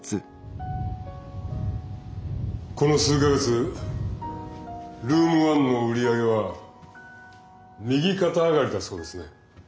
この数か月ルーム１の売り上げは右肩上がりだそうですね。